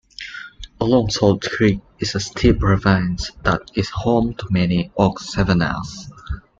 Along Salt Creek is a steep ravine that is home to many oak savannas.